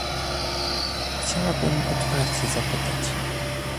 Chciałabym otwarcie zapytać